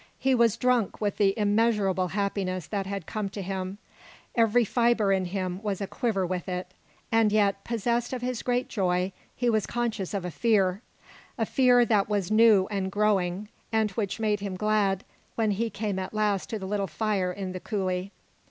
He was drunk with the immeasurable happiness that had come to him, every fibre in him was aquiver with it and yet, possessed of his great joy, he was conscious of a fear; a fear that was new and growing, and which made him glad when he came at last to the little fire in the coulee.